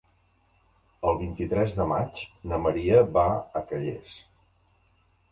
El vint-i-tres de maig na Maria va a Calles.